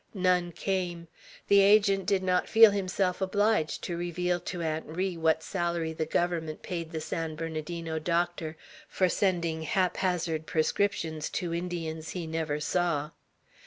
None came. The Agent did not feel himself obliged to reveal to Aunt Ri what salary the Government paid the San Bernardino doctor for sending haphazard prescriptions to Indians he never saw.